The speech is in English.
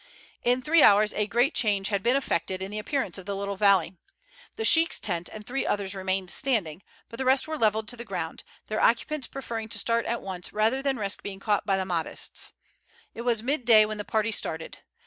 In three hours a great change had been effected in the appearance of the little valley. The sheik's tent and three others remained standing, but the rest were levelled to the ground, their occupants preferring to start at once rather than risk being caught by the Mahdists. It was mid day when the party started.